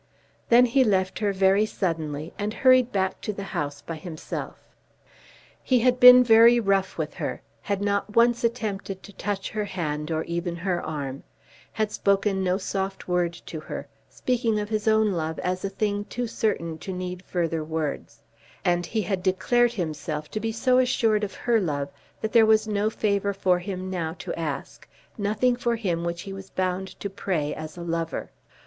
Then he left her very suddenly and hurried back to the house by himself. He had been very rough with her, had not once attempted to touch her hand or even her arm, had spoken no soft word to her, speaking of his own love as a thing too certain to need further words; and he had declared himself to be so assured of her love that there was no favour for him now to ask, nothing for which he was bound to pray as a lover.